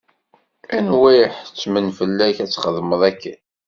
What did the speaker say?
Anwa iḥettmen fell-ak ad txedmeḍ akken?